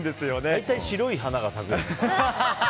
大体白い花が咲くよね。